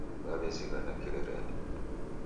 Waw'ezighana Kirerende